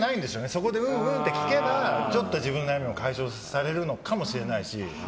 そこで、うんうんって聞けばちょっと自分の悩みも解消されるのかもしれないし。